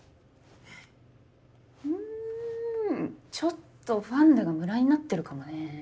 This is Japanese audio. んちょっとファンデがむらになってるかもね。